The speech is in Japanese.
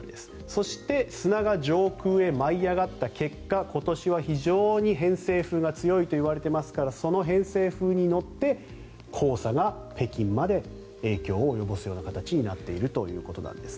そして砂が上空へ舞い上がった結果今年は非常に偏西風が強いといわれていますからその偏西風に乗って黄砂が北京まで影響を及ぼすような形になっているということです。